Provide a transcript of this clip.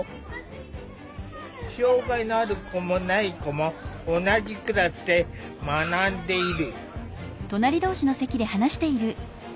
障害のある子もない子も同じクラスで学んでいる。